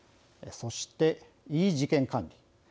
そして、ｅ事件管理。